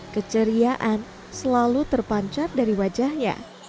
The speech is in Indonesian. keceriaan selalu terpancar dari wajahnya